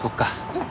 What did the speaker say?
うん！